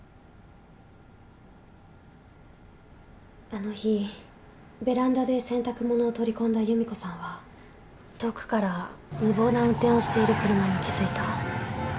あの日ベランダで洗濯物を取り込んだ由美子さんは遠くから無謀な運転をしている車に気付いた。